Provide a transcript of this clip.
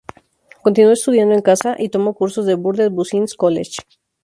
Continuó estudiando en casa y tomó cursos de Burdett Business College.